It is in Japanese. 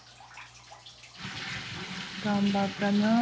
頑張ったなあ